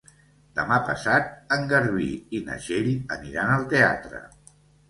Demà passat en Garbí i na Txell aniran al teatre.